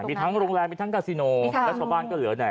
มีทั้งโรงแรมมีทั้งกาซิโนแล้วชาวบ้านก็เหลือเนี่ย